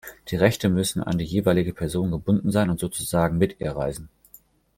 Die Rechte müssen an die jeweilige Person gebunden sein und sozusagen mit ihr reisen.